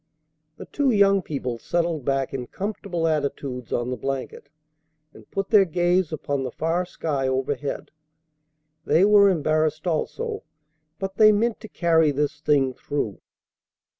The two young people settled back in comfortable attitudes on the blanket, and put their gaze upon the far sky overhead. They were embarrassed also, but they meant to carry this thing through.